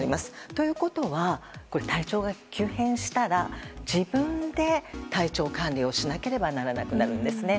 ということは、体調が急変したら自分で体調管理をしなければならなくなるんですね。